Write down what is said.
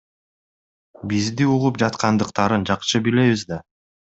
Бизди угуп жаткандыктарын жакшы билебиз да.